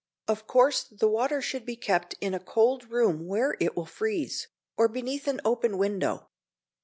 Of course the water should be kept in a cold room where it will freeze, or beneath an open window.